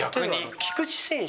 菊池選手。